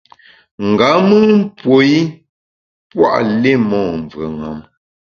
Nga mùn puo i pua’ li mon mvùeṅam.